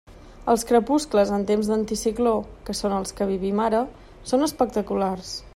Els crepuscles en temps d'anticicló, que són els que vivim ara, són espectaculars.